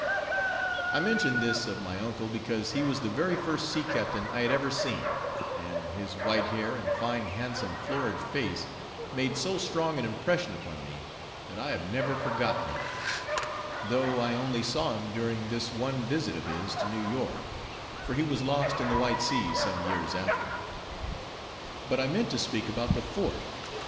I mention this of my uncle, because he was the very first sea captain I had ever seen, and his white hair and fine handsome florid face made so strong an impression upon me, that I have never forgotten him, though I only saw him during this one visit of his to New York, for he was lost in the White Sea some years after. But I meant to speak about the fort.